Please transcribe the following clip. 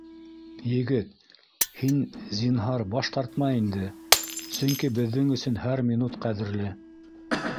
Егет, һин, зинһар, баш тартма инде, сөнки беҙҙең өсөн һәр минут ҡәҙерле